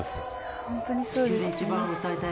本当にそうですね。